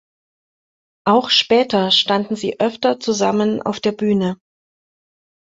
Auch später standen sie öfter zusammen auf der Bühne.